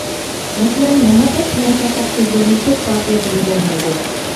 مەسىلەن: «مۇھەببەت» بىلەن «پەقەت» سۆزلىرىنى توق قاپىيە دېگىلى بولمايدۇ.